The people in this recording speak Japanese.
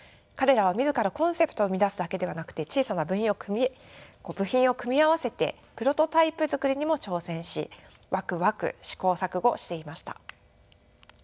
彼らは自らコンセプトを生み出すだけではなくて小さな部品を組み合わせてプロトタイプ作りにも挑戦しワクワク試行錯誤していました。